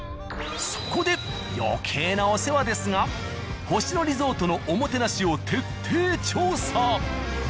そこで余計なお世話ですが「星野リゾート」のおもてなしを徹底調査！